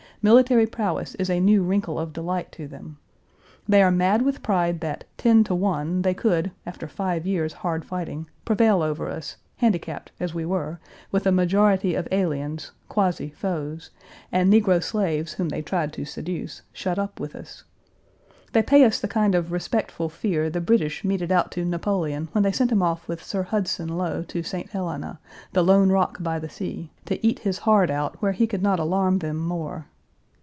Military prowess is a new wrinkle of delight to them. They are mad with pride that, ten to one, they could, after five years' hard fighting, prevail over us, handicapped, as we were, with a majority of aliens, quasi foes, and negro slaves whom they tried to seduce, shut up with us. They pay us the kind of respectful fear the British meted out to Napoleon when they sent him off with Sir Hudson Lowe to St. Helena, the lone rock by the sea, to eat his heart out where he could not alarm them more.